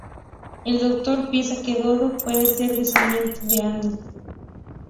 El Doctor piensa que Dodo puede ser descendiente de Anne.